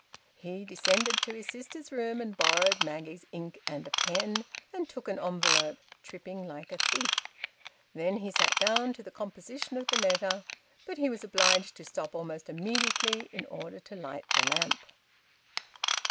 He descended to his sister's room and borrowed Maggie's ink and a pen, and took an envelope, tripping like a thief. Then he sat down to the composition of the letter; but he was obliged to stop almost immediately in order to light the lamp.